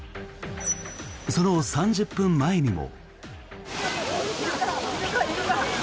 その３０分前にも。